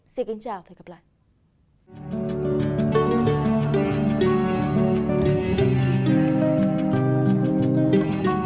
xin kính chào và hẹn gặp lại